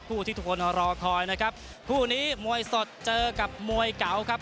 ที่ทุกคนรอคอยนะครับคู่นี้มวยสดเจอกับมวยเก่าครับ